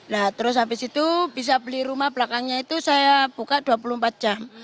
nah terus habis itu bisa beli rumah belakangnya itu saya buka dua puluh empat jam